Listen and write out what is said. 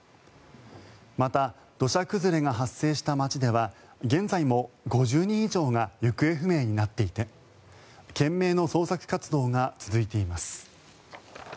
また、土砂崩れが発生した街では現在も５０人以上が行方不明になっていて懸命の捜索活動が続いています。